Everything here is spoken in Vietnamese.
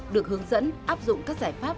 được hướng dẫn áp dụng các giải pháp